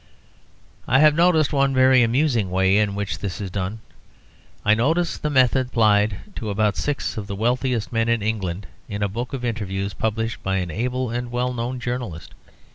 I have noticed one very amusing way in which this is done. I notice the method applied to about six of the wealthiest men in England in a book of interviews published by an able and well known journalist.